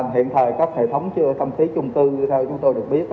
hiện thời các hệ thống thông khí chung cư theo chúng tôi được biết